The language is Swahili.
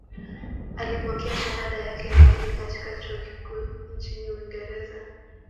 Alipokea shahada yake ya pili katika chuo kikuu nchini Uingereza